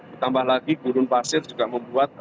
ditambah lagi gunung pasir juga membuat